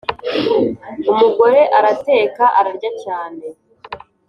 umugore arateka ararya cyane